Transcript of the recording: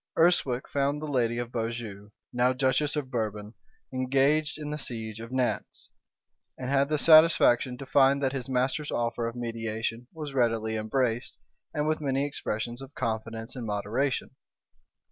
Urswic found the lady of Beaujeu, now duchess of Bourbon, engaged in the siege of Nantz, and had the satisfaction to find that his master's offer of mediation was readily embraced and with many expressions of confidence and moderation.